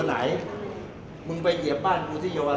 มันเป็นสิ่งที่เราไม่รู้สึกว่า